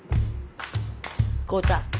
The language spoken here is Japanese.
豪太。